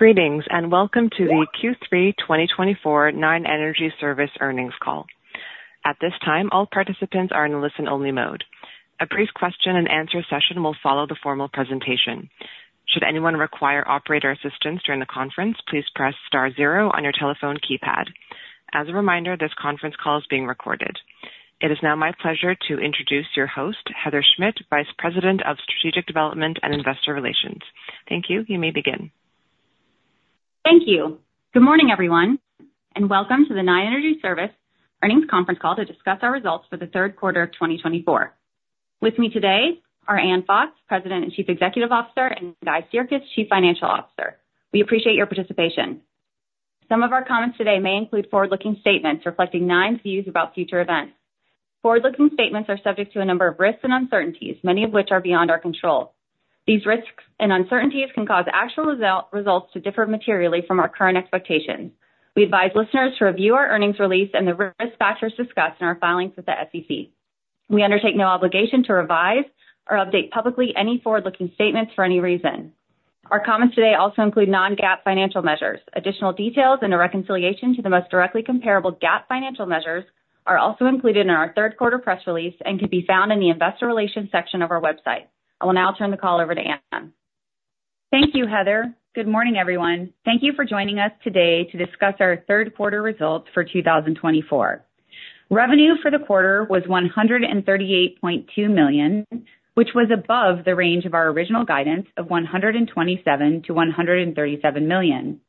Greetings, and welcome to the Q3 2024 Nine Energy Service earnings call. At this time, all participants are in listen-only mode. A brief question and answer session will follow the formal presentation. Should anyone require operator assistance during the conference, please press star zero on your telephone keypad. As a reminder, this conference call is being recorded. It is now my pleasure to introduce your host, Heather Schmidt, Vice President of Strategic Development and Investor Relations. Thank you. You may begin. Thank you. Good morning, everyone, and welcome to the Nine Energy Service earnings conference call to discuss our results for the third quarter of 2024. With me today are Ann Fox, President and Chief Executive Officer, and Guy Sirkes, Chief Financial Officer. We appreciate your participation. Some of our comments today may include forward-looking statements reflecting Nine's views about future events. Forward-looking statements are subject to a number of risks and uncertainties, many of which are beyond our control. These risks and uncertainties can cause actual results to differ materially from our current expectations. We advise listeners to review our earnings release and the risk factors discussed in our filings with the SEC. We undertake no obligation to revise or update publicly any forward-looking statements for any reason. Our comments today also include non-GAAP financial measures. Additional details and a reconciliation to the most directly comparable GAAP financial measures are also included in our third quarter press release and can be found in the investor relations section of our website. I will now turn the call over to Ann. Thank you, Heather. Good morning, everyone. Thank you for joining us today to discuss our third quarter results for 2024. Revenue for the quarter was $138.2 million, which was above the range of our original guidance of $127 million to $137 million.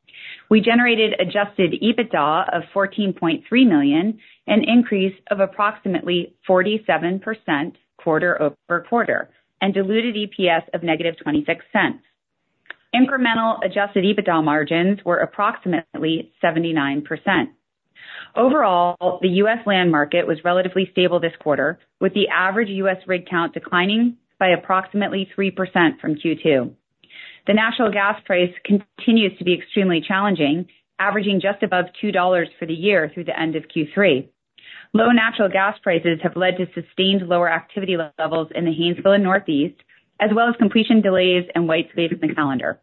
We generated adjusted EBITDA of $14.3 million, an increase of approximately 47% quarter-over-quarter, and diluted EPS of -$0.26. Incremental adjusted EBITDA margins were approximately 79%. Overall, the U.S. land market was relatively stable this quarter, with the average U.S. rig count declining by approximately 3% from Q2. The natural gas price continues to be extremely challenging, averaging just above $2 for the year through the end of Q3. Low natural gas prices have led to sustained lower activity levels in the Haynesville and Northeast, as well as completion delays and white space in the calendar.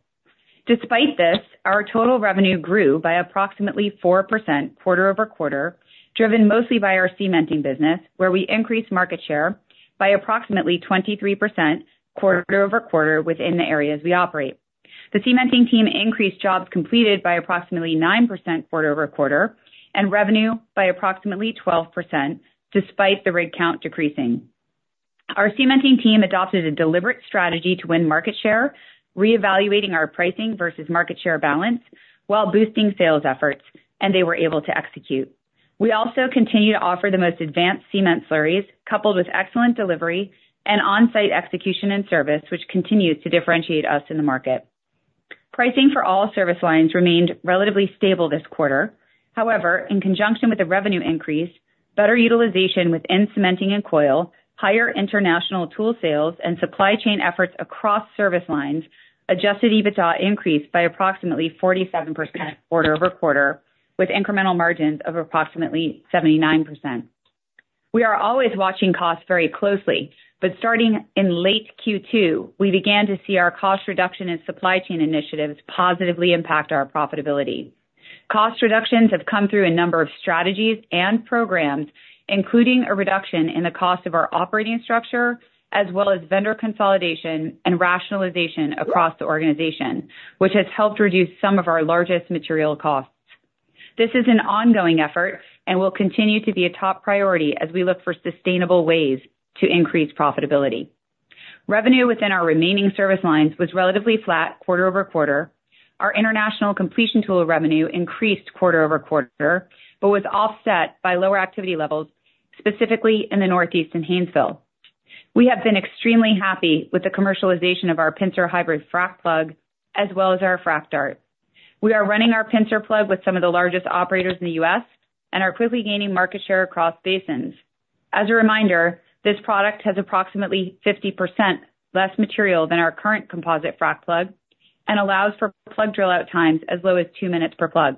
Despite this, our total revenue grew by approximately 4% quarter-over-quarter, driven mostly by our cementing business, where we increased market share by approximately 23% quarter-over-quarter within the areas we operate. The cementing team increased jobs completed by approximately 9% quarter-over-quarter and revenue by approximately 12%, despite the rig count decreasing. Our cementing team adopted a deliberate strategy to win market share, reevaluating our pricing versus market share balance while boosting sales efforts, and they were able to execute. We also continue to offer the most advanced cement slurries coupled with excellent delivery and on-site execution and service, which continues to differentiate us in the market. Pricing for all service lines remained relatively stable this quarter. In conjunction with the revenue increase, better utilization within cementing and coil, higher international tool sales, and supply chain efforts across service lines, adjusted EBITDA increased by approximately 47% quarter-over-quarter with incremental margins of approximately 79%. We are always watching costs very closely, but starting in late Q2, we began to see our cost reduction and supply chain initiatives positively impact our profitability. Cost reductions have come through a number of strategies and programs, including a reduction in the cost of our operating structure as well as vendor consolidation and rationalization across the organization, which has helped reduce some of our largest material costs. This is an ongoing effort and will continue to be a top priority as we look for sustainable ways to increase profitability. Revenue within our remaining service lines was relatively flat quarter-over-quarter. Our international completion tool revenue increased quarter-over-quarter but was offset by lower activity levels, specifically in the Northeast and Haynesville. We have been extremely happy with the commercialization of our Pincer hybrid frac plug as well as our Frac Dart. We are running our Pincer plug with some of the largest operators in the U.S. and are quickly gaining market share across basins. As a reminder, this product has approximately 50% less material than our current composite frac plug and allows for plug drill out times as low as two minutes per plug,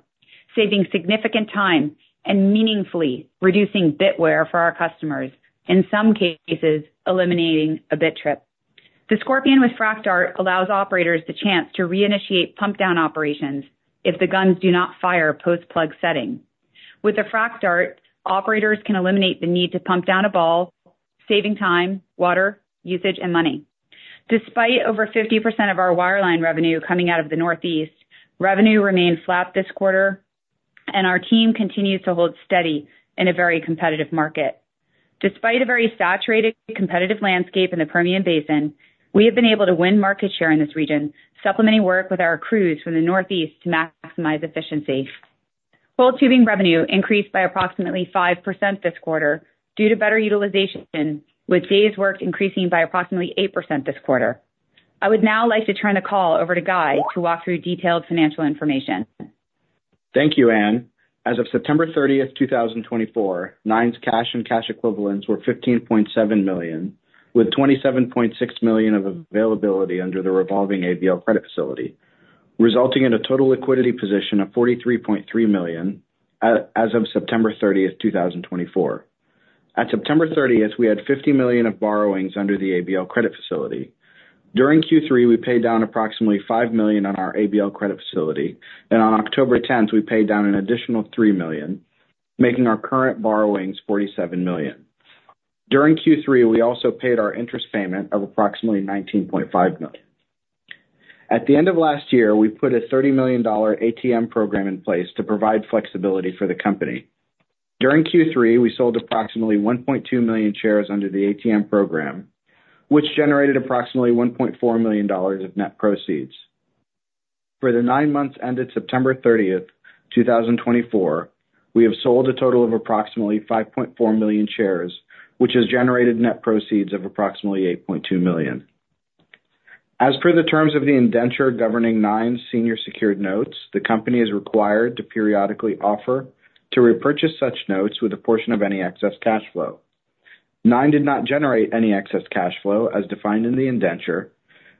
saving significant time and meaningfully reducing bit wear for our customers, in some cases, eliminating a bit trip. The Scorpion with Frac Dart allows operators the chance to reinitiate pump down operations if the guns do not fire post plug setting. With the Frac Dart, operators can eliminate the need to pump down a ball, saving time, water, usage, and money. Despite over 50% of our wireline revenue coming out of the Northeast, revenue remains flat this quarter, and our team continues to hold steady in a very competitive market. Despite a very saturated competitive landscape in the Permian Basin, we have been able to win market share in this region, supplementing work with our crews from the Northeast to maximize efficiency. Coil tubing revenue increased by approximately 5% this quarter due to better utilization, with days worked increasing by approximately 8% this quarter. I would now like to turn the call over to Guy to walk through detailed financial information. Thank you, Ann. As of September 30th, 2024, Nine's cash and cash equivalents were $15.7 million, with $27.6 million of availability under the revolving ABL credit facility, resulting in a total liquidity position of $43.3 million as of September 30th, 2024. At September 30th, we had $50 million of borrowings under the ABL credit facility. During Q3, we paid down approximately $5 million on our ABL credit facility, and on October 10th, we paid down an additional $3 million, making our current borrowings $47 million. During Q3, we also paid our interest payment of approximately $19.5 million. At the end of last year, we put a $30 million ATM program in place to provide flexibility for the company. During Q3, we sold approximately 1.2 million shares under the ATM program, which generated approximately $1.4 million of net proceeds. For the nine months ended September 30th, 2024, we have sold a total of approximately 5.4 million shares, which has generated net proceeds of approximately $8.2 million. As per the terms of the indenture governing Nine's senior secured notes, the company is required to periodically offer to repurchase such notes with a portion of any excess cash flow. Nine did not generate any excess cash flow as defined in the indenture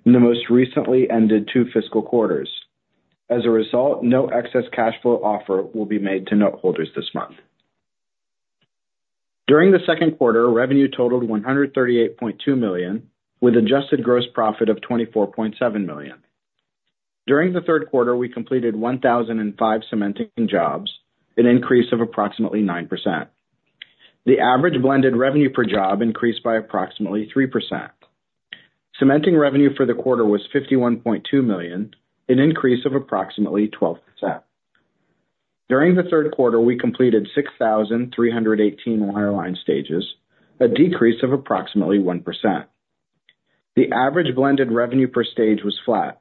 in the most recently ended two fiscal quarters. As a result, no excess cash flow offer will be made to note holders this month. During the second quarter, revenue totaled $138.2 million with adjusted gross profit of $24.7 million. During the third quarter, we completed 1,005 cementing jobs, an increase of approximately 9%. The average blended revenue per job increased by approximately 3%. Cementing revenue for the quarter was $51.2 million, an increase of approximately 12%. During the third quarter, we completed 6,318 wireline stages, a decrease of approximately 1%. The average blended revenue per stage was flat.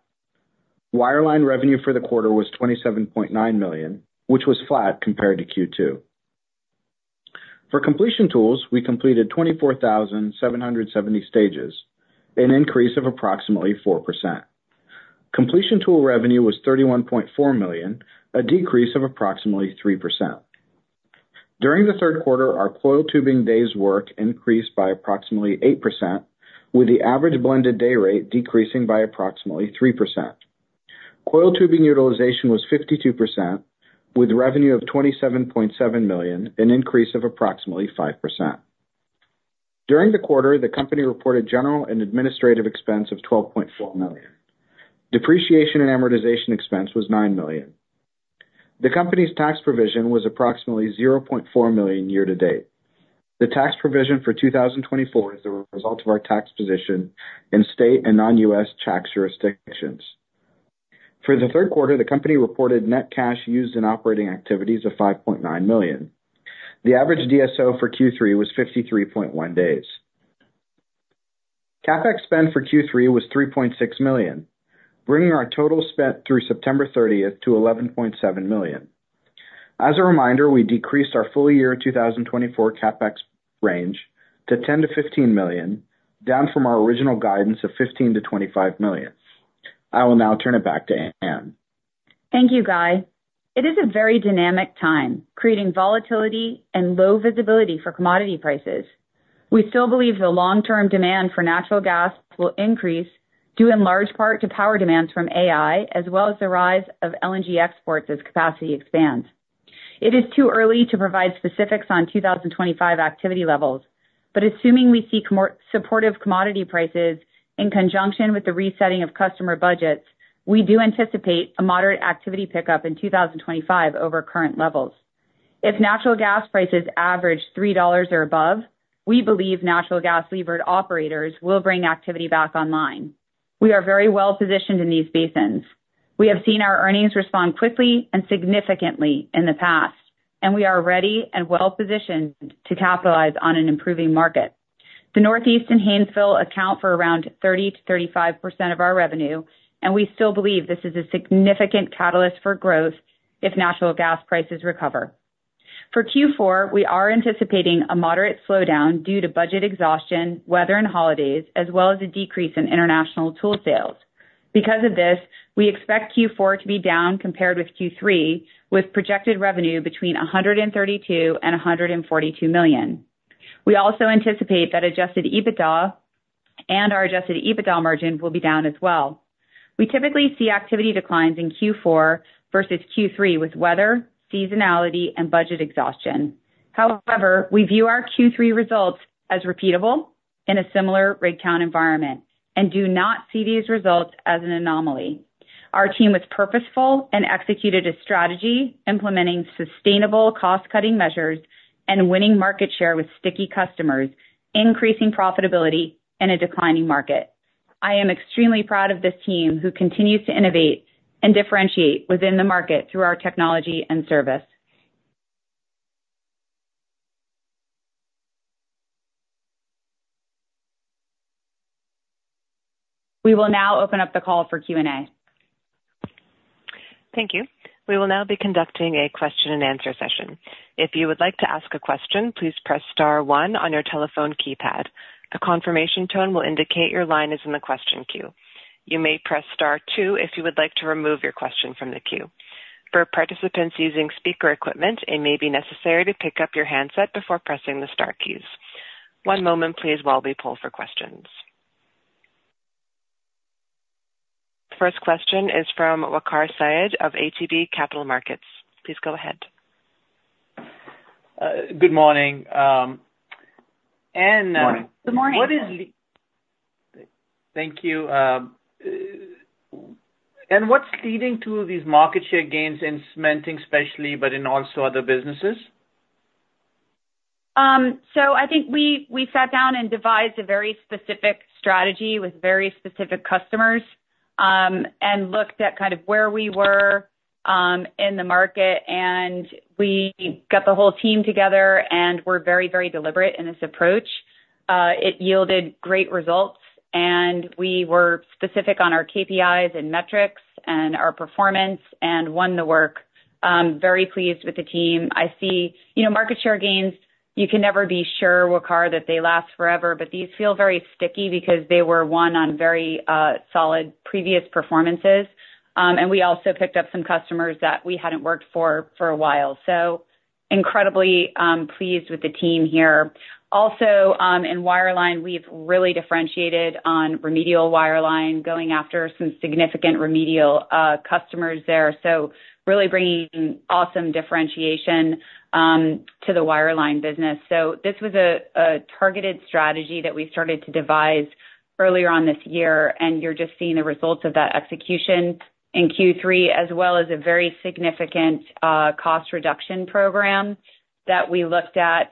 Wireline revenue for the quarter was $27.9 million, which was flat compared to Q2. For completion tools, we completed 24,770 stages, an increase of approximately 4%. Completion tool revenue was $31.4 million, a decrease of approximately 3%. During the third quarter, our coil tubing days worked increased by approximately 8%, with the average blended day rate decreasing by approximately 3%. Coil tubing utilization was 52%, with revenue of $27.7 million, an increase of approximately 5%. During the quarter, the company reported general and administrative expense of $12.4 million. Depreciation and amortization expense was $9 million. The company's tax provision was approximately $0.4 million year to date. The tax provision for 2024 is the result of our tax position in state and non-U.S. tax jurisdictions. For the third quarter, the company reported net cash used in operating activities of $5.9 million. The average DSO for Q3 was 53.1 days. CapEx spend for Q3 was $3.6 million, bringing our total spent through September 30th to $11.7 million. As a reminder, we decreased our full year 2024 CapEx range to $10 million-$15 million, down from our original guidance of $15 million-$25 million. I will now turn it back to Ann. Thank you, Guy. It is a very dynamic time, creating volatility and low visibility for commodity prices. We still believe the long-term demand for natural gas will increase, due in large part to power demands from AI as well as the rise of LNG exports as capacity expands. Assuming we see supportive commodity prices in conjunction with the resetting of customer budgets, we do anticipate a moderate activity pickup in 2025 over current levels. If natural gas prices average $3 or above, we believe natural gas levered operators will bring activity back online. We are very well positioned in these basins. We have seen our earnings respond quickly and significantly in the past, and we are ready and well positioned to capitalize on an improving market. The Northeast and Haynesville account for around 30%-35% of our revenue, and we still believe this is a significant catalyst for growth if natural gas prices recover. For Q4, we are anticipating a moderate slowdown due to budget exhaustion, weather and holidays, as well as a decrease in international tool sales. Because of this, we expect Q4 to be down compared with Q3, with projected revenue between $132 million and $142 million. We also anticipate that adjusted EBITDA and our adjusted EBITDA margin will be down as well. We typically see activity declines in Q4 versus Q3 with weather, seasonality, and budget exhaustion. However, we view our Q3 results as repeatable in a similar rig count environment and do not see these results as an anomaly. Our team was purposeful and executed a strategy implementing sustainable cost-cutting measures and winning market share with sticky customers, increasing profitability in a declining market. I am extremely proud of this team who continues to innovate and differentiate within the market through our technology and service. We will now open up the call for Q&A. Thank you. We will now be conducting a question and answer session. If you would like to ask a question, please press star one on your telephone keypad. A confirmation tone will indicate your line is in the question queue. You may press star two if you would like to remove your question from the queue. For participants using speaker equipment, it may be necessary to pick up your handset before pressing the star keys. One moment please while we poll for questions. First question is from Waqar Syed of ATB Capital Markets. Please go ahead. Good morning. Good morning. Thank you. What's leading to these market share gains in cementing especially, but in also other businesses? I think we sat down and devised a very specific strategy with very specific customers, and looked at kind of where we were in the market, and we got the whole team together, and we're very deliberate in this approach. It yielded great results, and we were specific on our KPIs and metrics and our performance, and won the work. Very pleased with the team. I see market share gains. You can never be sure, Waqar, that they last forever, but these feel very sticky because they were won on very solid previous performances. We also picked up some customers that we hadn't worked for a while. Incredibly, pleased with the team here. Also, in wireline, we've really differentiated on remedial wireline, going after some significant remedial customers there. Really bringing awesome differentiation to the wireline business. This was a targeted strategy that we started to devise earlier on this year, and you're just seeing the results of that execution in Q3, as well as a very significant cost reduction program that we looked at,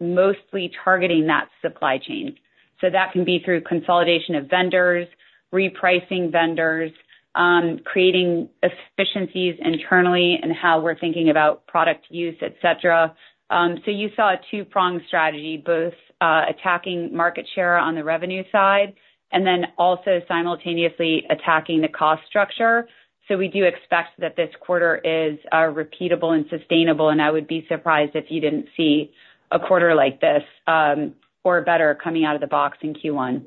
mostly targeting that supply chain. That can be through consolidation of vendors, repricing vendors, creating efficiencies internally and how we're thinking about product use, et cetera. You saw a two-pronged strategy, both attacking market share on the revenue side and also simultaneously attacking the cost structure. We do expect that this quarter is repeatable and sustainable, and I would be surprised if you didn't see a quarter like this, or better coming out of the box in Q1.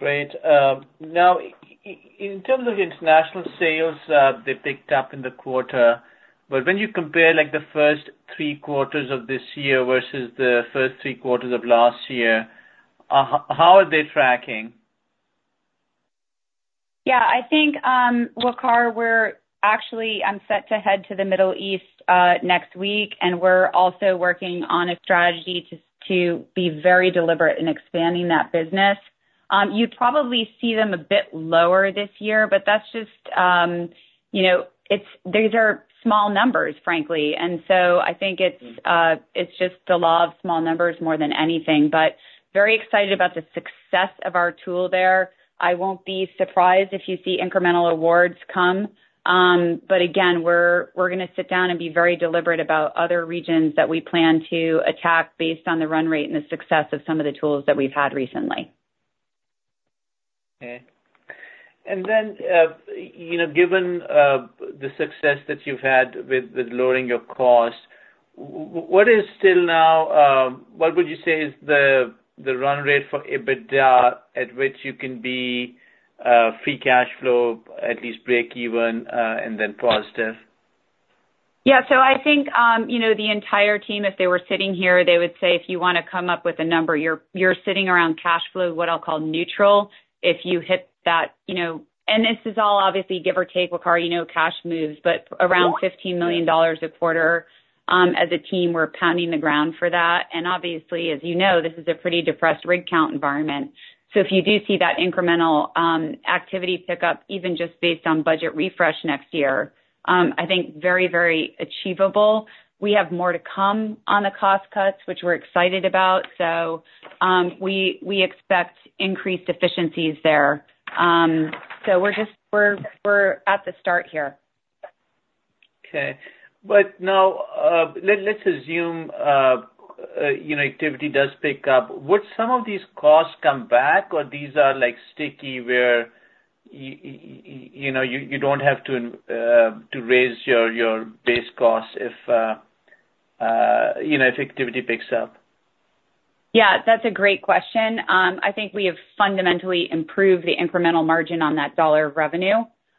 Great. In terms of international sales, they picked up in the quarter, but when you compare the first three quarters of this year versus the first three quarters of last year, how are they tracking? I think, Waqar, we're actually set to head to the Middle East next week, and we're also working on a strategy to be very deliberate in expanding that business. You probably see them a bit lower this year, I think it's just the law of small numbers more than anything. Very excited about the success of our tool there. I won't be surprised if you see incremental awards come. Again, we're going to sit down and be very deliberate about other regions that we plan to attack based on the run rate and the success of some of the tools that we've had recently. Given the success that you've had with lowering your cost, what would you say is the run rate for EBITDA at which you can be free cash flow, at least breakeven, and then positive? I think the entire team, if they were sitting here, they would say, if you want to come up with a number, you're sitting around cash flow, what I'll call neutral. If you hit that, and this is all obviously give or take, Waqar, cash moves. Around $15 million a quarter, as a team, we're pounding the ground for that. Obviously, as you know, this is a pretty depressed rig count environment. If you do see that incremental activity pick up, even just based on budget refresh next year, I think very achievable. We have more to come on the cost cuts, which we're excited about. We expect increased efficiencies there. We're at the start here. Okay. Now, let's assume activity does pick up. Would some of these costs come back, or these are sticky where you don't have to raise your base cost if activity picks up? Yeah, that's a great question. I think we have fundamentally improved the incremental margin on that dollar of revenue.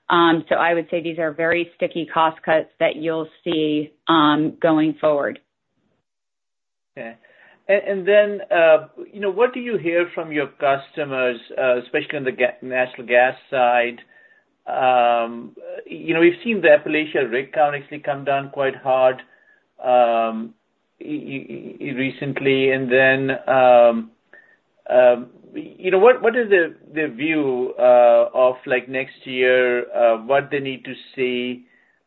I would say these are very sticky cost cuts that you'll see going forward. Okay. Then, what do you hear from your customers, especially on the natural gas side? We've seen the Appalachian rig count actually come down quite hard recently. Then what is the view of next year? What they need to see,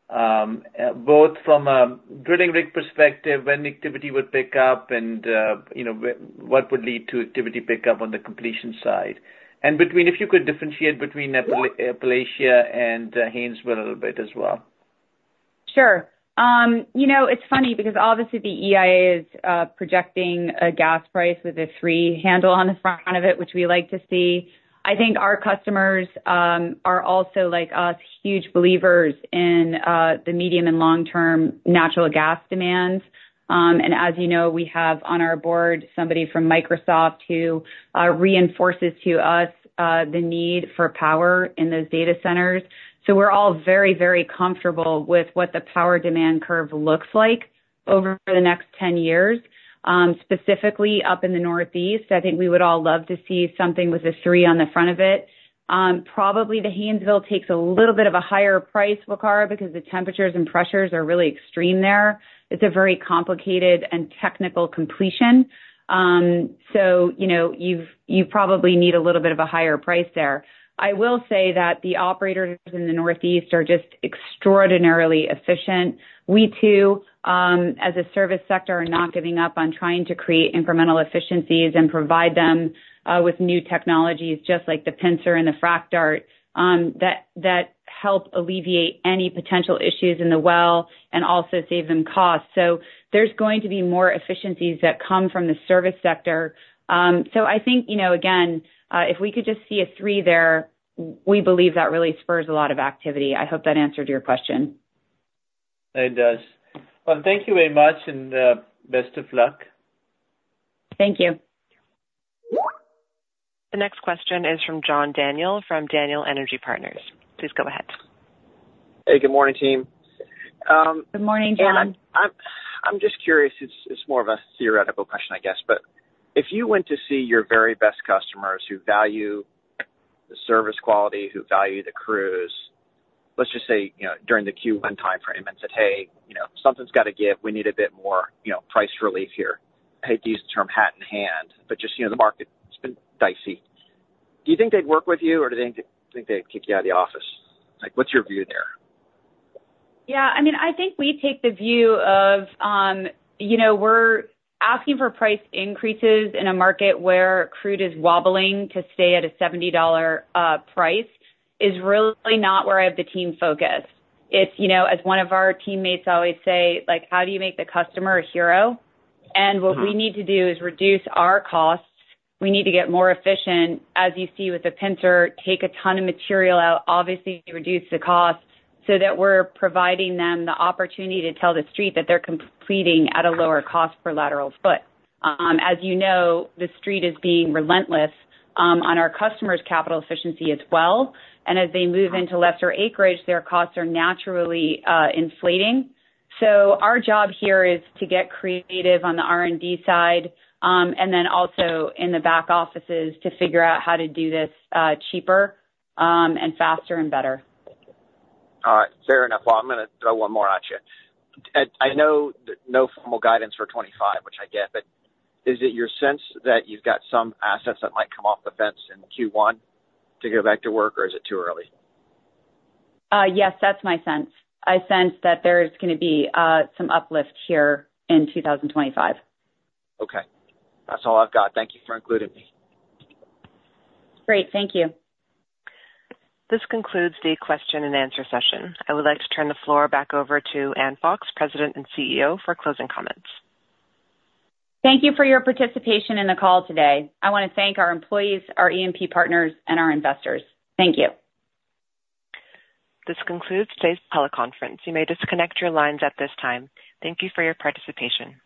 both from a drilling rig perspective, when activity would pick up and what would lead to activity pick up on the completion side? If you could differentiate between Appalachia and Haynesville a little bit as well. Sure. It's funny because obviously the EIA is projecting a gas price with a three handle on the front of it, which we like to see. I think our customers are also like us, huge believers in the medium and long-term natural gas demands. As you know, we have on our board somebody from Microsoft who reinforces to us the need for power in those data centers. We're all very comfortable with what the power demand curve looks like over the next 10 years. Specifically up in the Northeast, I think we would all love to see something with a three on the front of it. Probably the Haynesville takes a little bit of a higher price, Waqar, because the temperatures and pressures are really extreme there. It's a very complicated and technical completion. You probably need a little bit of a higher price there. I will say that the operators in the Northeast are just extraordinarily efficient. We too, as a service sector, are not giving up on trying to create incremental efficiencies and provide them with new technologies, just like the Pincer and the Frac Dart, that help alleviate any potential issues in the well and also save them costs. There's going to be more efficiencies that come from the service sector. I think, again, if we could just see a three there, we believe that really spurs a lot of activity. I hope that answered your question. It does. Well, thank you very much, best of luck. Thank you. The next question is from John Daniel from Daniel Energy Partners. Please go ahead. Hey, good morning, team. Good morning, John. Ann, I'm just curious. It's more of a theoretical question, I guess. If you went to see your very best customers who value the service quality, who value the crews, let's just say, during the Q1 timeframe and said, "Hey, something's got to give. We need a bit more price relief here." Hate to use the term hat in hand, but just the market's been dicey. Do you think they'd work with you, or do you think they'd kick you out of the office? What's your view there? I think we take the view of we're asking for price increases in a market where crude is wobbling to stay at a $70 price is really not where I have the team focused. As one of our teammates always say, how do you make the customer a hero? What we need to do is reduce our costs. We need to get more efficient. As you see with the Pincer, take a ton of material out, obviously reduce the cost so that we're providing them the opportunity to tell The Street that they're completing at a lower cost per lateral foot. As you know, The Street is being relentless on our customers' capital efficiency as well. As they move into lesser acreage, their costs are naturally inflating. Our job here is to get creative on the R&D side. Then also in the back offices to figure out how to do this cheaper, and faster and better. All right. Fair enough. Well, I'm going to throw one more at you. I know no formal guidance for 2025, which I get, but is it your sense that you've got some assets that might come off the fence in Q1 to go back to work, or is it too early? Yes, that's my sense. I sense that there's going to be some uplift here in 2025. Okay. That's all I've got. Thank you for including me. Great. Thank you. This concludes the question and answer session. I would like to turn the floor back over to Ann Fox, President and CEO, for closing comments. Thank you for your participation in the call today. I want to thank our employees, our E&P partners, and our investors. Thank you. This concludes today's teleconference. You may disconnect your lines at this time. Thank you for your participation.